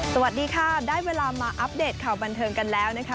สวัสดีค่ะได้เวลามาอัปเดตข่าวบันเทิงกันแล้วนะคะ